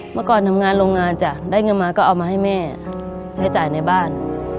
เมื่อก่อนทำงานโรงงานจ้ะได้เงินมาก็เอามาให้แม่ใช้จ่ายในบ้าน